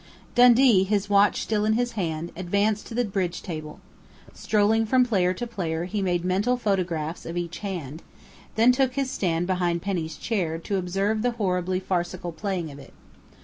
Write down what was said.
Dundee, his watch still in his hand, advanced to the bridge table. Strolling from player to player he made mental photographs of each hand, then took his stand behind Penny's chair to observe the horribly farcical playing of it.